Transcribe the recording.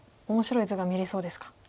面白い図が見れそうですか。